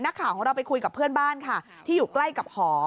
นักข่าวของเราไปคุยกับเพื่อนบ้านค่ะที่อยู่ใกล้กับหอ